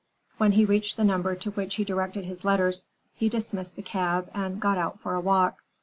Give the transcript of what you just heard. When he reached the number to which he directed his letters, he dismissed the cab and got out for a walk.